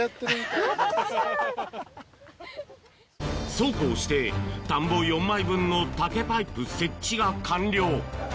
そうこうして田んぼ４枚分の竹パイプ設置が完了